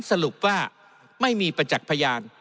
สรุปว่าไม่มีประจักษ์พยาน